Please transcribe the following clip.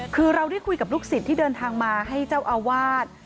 คือเราได้คุยกับลูกศิษย์ที่เดินทางมาให้เจ้าอาวาส